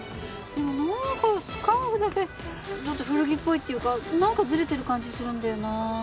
でもなんかスカーフだけちょっと古着っぽいっていうかなんかずれてる感じするんだよな。